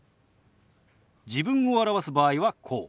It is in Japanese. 自分を表す場合はこう。